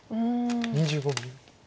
２５秒。